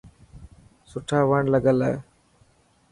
سوٺا وڻ لگل هي.